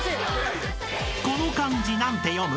［この漢字何て読む？］